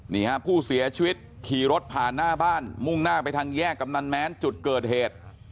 นี่ฮะผู้เสียชีวิตขี่รถผ่านหน้าบ้านมุ่งหน้าไปทางแยกกำนันแม้นจุดเกิดเหตุ